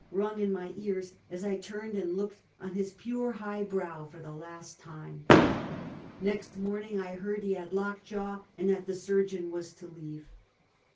rung in my ears as I turned and looked on his pure high brow for the last time, !N"ext morning I heard he had lock jaw, and that the surgeon was to leave.